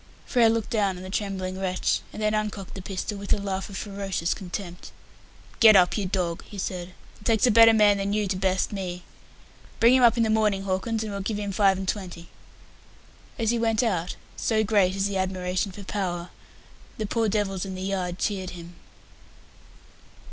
Frere looked down on the trembling wretch, and then uncocked the pistol, with a laugh of ferocious contempt. "Get up, you dog," he said. "It takes a better man than you to best me. Bring him up in the morning, Hawkins, and we'll give him five and twenty." As he went out so great is the admiration for Power the poor devils in the yard cheered him.